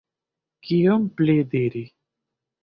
Kion pli diri?